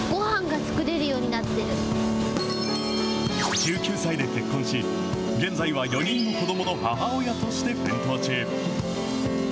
１９歳で結婚し、現在は４人の子どもの母親として奮闘中。